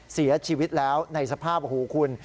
เสียชีวิตแล้วในสภาพโอ้โหคุณ